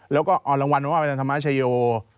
แล้วก็เอารางวัลมาว่าไปตามธรรมชโย